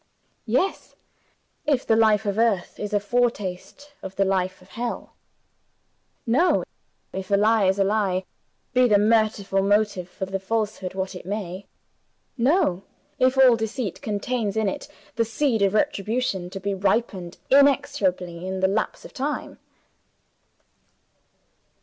Yes if the life of earth is a foretaste of the life of hell. No if a lie is a lie, be the merciful motive for the falsehood what it may. No if all deceit contains in it the seed of retribution, to be ripened inexorably in the lapse of time.